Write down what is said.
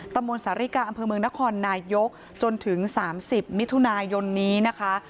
ตำรวจสาริกาอำเภอเมืองนครนายกจนถึง๓๐มิถุนายนนี้นะคะ